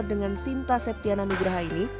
dengan sinta septiana nugraha ini